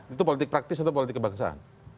itu politik praktis atau politik kebangsaan